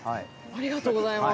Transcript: ありがとうございます。